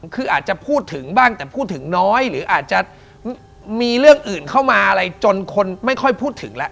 คืออาจจะพูดถึงบ้างแต่พูดถึงน้อยหรืออาจจะมีเรื่องอื่นเข้ามาอะไรจนคนไม่ค่อยพูดถึงแล้ว